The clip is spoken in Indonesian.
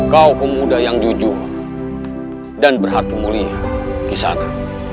kau pemuda yang jujur dan berhartu mulia di sana